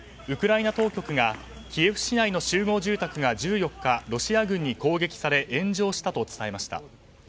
ウクライナ当局がキエフ市内の集合住宅が１４日、ロシア軍に攻撃され炎上したと伝えました。